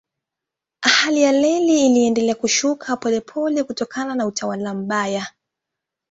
Hali ya reli iliendelea kushuka polepole kutokana na utawala mbaya.